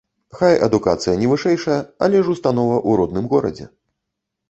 Хай адукацыя не вышэйшая, але ж установа ў родным горадзе.